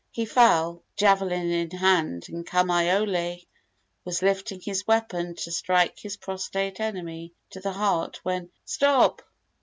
He fell, javelin in hand, and Kamaiole was lifting his weapon to strike his prostrate enemy to the heart when "Stop!"